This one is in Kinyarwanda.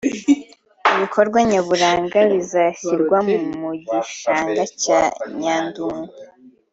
Ibikorwa nyaburanga bizashyirwa mu gishanga cya Nyandungu